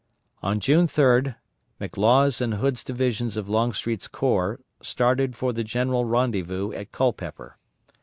On June 3d, McLaws' and Hood's divisions of Longstreet's corps started for the general rendezvous at Culpeper.